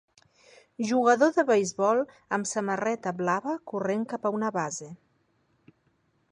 Jugador de beisbol amb samarreta blava corrent cap a una base.